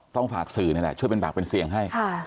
ต้องฝากสื่อไปเลยค่ะช่วยเป็นบากเป็นเสี่ยงให้